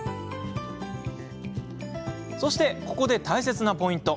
そして、ここで大切なポイント。